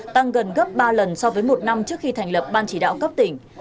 tăng gần gấp ba lần so với một năm trước khi thành lập ban chỉ đạo cấp tỉnh